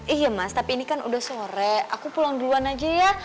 iya mas tapi ini kan udah sore aku pulang duluan aja ya